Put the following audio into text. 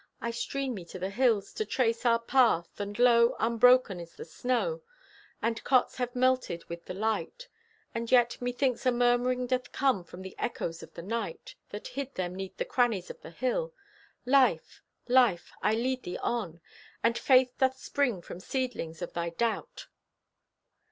I strain me to the hills to trace our path, And lo, unbroken is the snow, And cots have melted with the light, And yet, methinks a murmuring doth come From out the echoes of the night, That hid them 'neath the crannies of the hills. Life! Life! I lead thee on! And faith doth spring from seedlings of thy doubt!